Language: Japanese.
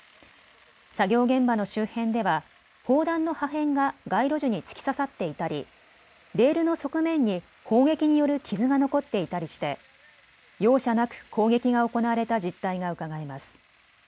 作業現場の周辺では砲弾の破片が街路樹に突き刺さっていたりレールの側面に砲撃による傷が残っていたりして容赦なく攻撃が行われた実態がうかがえます。